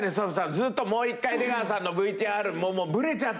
ずーっと「もう一回出川さんのＶＴＲ」。